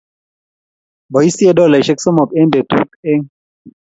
Boisye dolaisyek somok eng betut eng